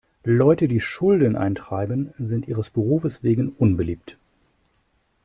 Leute, die Schulden eintreiben, sind ihres Berufes wegen unbeliebt.